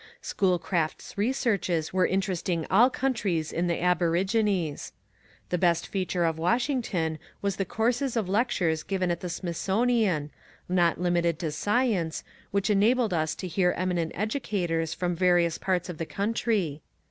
Schoolcraft's researches were interesting all countries in the aborigines. The best feature of Washington was the courses of lectures given at the Smithsonian, not limited to CHASE m THE SENATE 211 science, which enabled us to hear eminent educators from various parts of the country.